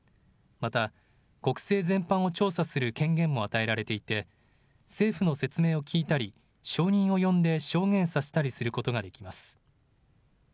また国政全般を調査する権限も与えられていて政府の説明を聞いたり証人を呼んで証言させたりすることができます。